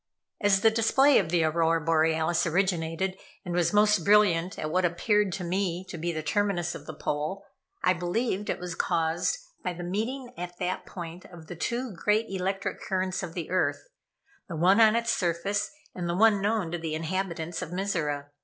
As the display of the Aurora Borealis originated, and was most brilliant at what appeared to me to be the terminus of the pole, I believed it was caused by the meeting at that point of the two great electric currents of the earth, the one on its surface, and the one known to the inhabitants of Mizora.